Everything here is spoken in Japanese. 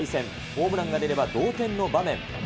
ホームランが出れば同点の場面。